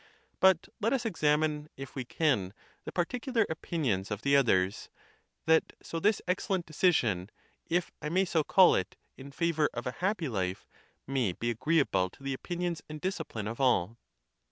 But let us examine, if we can, the particular opinions of the others, that so this excellent decision, if I may so call it, in favor of a happy life, may be agreeable to the opinions and discipline of all.